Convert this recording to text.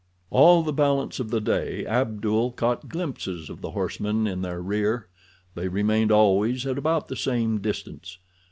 All the balance of the day Abdul caught glimpses of the horsemen in their rear. They remained always at about the same distance.